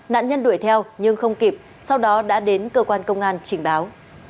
nạn nhân đuổi theo nhưng không kịp sau đó đã đến cơ quan công an trình báo